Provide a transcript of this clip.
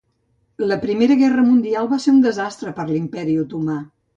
La Primera Guerra Mundial va ser un desastre per l'Imperi Otomà.